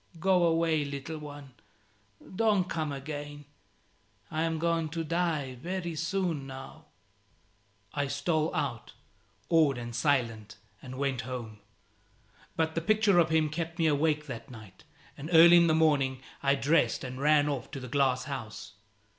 "Go away, little one, Don't come again: I am going to die very soon now." I stole out, awed and silent, and went home. But the picture of him kept me awake that night, and early in the morning I dressed and ran off to the glass house.